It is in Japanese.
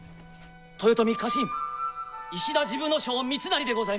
豊臣家臣石田治部少輔三成でございます。